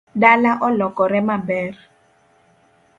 Dala olokore maber